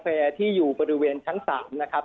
ตอนนี้ยังไม่ได้นะครับ